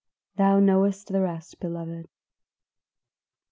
"Thou knowest the rest, beloved."